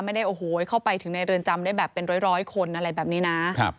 ไม่ได้โอ้โหเข้าไปถึงในเรือนจำได้แบบเป็นร้อยคนอะไรแบบนี้นะ